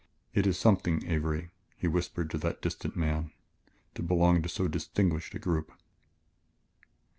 "It is something, Avery," he whispered to that distant man, "to belong in so distinguished a group."